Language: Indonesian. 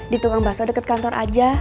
di tukang baso deket kantor aja